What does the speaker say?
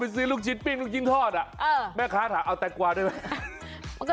ก็เวลาลูกชิ้นปิกแล้วลูกชิ้นทอดคิดอยากเอาแตงกุว่ะด้วย